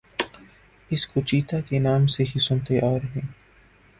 اس کو چیتا کے نام سے ہی سنتے آرہے ہیں